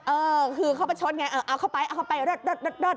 เออคือเขาผจญแน่เอาเข้าไปเลิศเลิศเลิศ